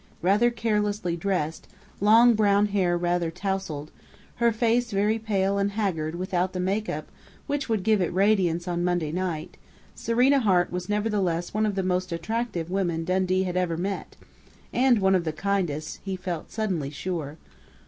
Rather carelessly dressed, long brown hair rather tousled, her face very pale and haggard without the make up which would give it radiance on Monday night, Serena Hart was nevertheless one of the most attractive women Dundee had ever met and one of the kindest, he felt suddenly sure....